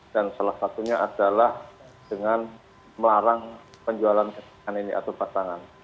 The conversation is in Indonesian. dan salah satunya adalah dengan melarang penjualan kebakan ini atau pertangan